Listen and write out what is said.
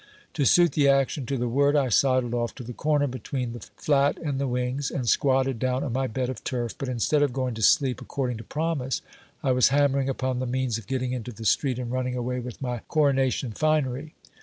To suit the action to the word, I sidled off to the corner between the flat and the wings, and squatted down on my bed of turf, but instead of going to sleep, according to promise, I was hammering upon the means of getting into the street, and running away with my coronation finery.